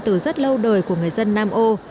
từ rất lâu đời của người dân nam âu